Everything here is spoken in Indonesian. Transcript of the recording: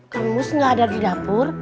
kamus nggak ada di dapur